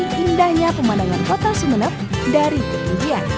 sehingga keindahnya pemandangan kota sumeneb dari kemudian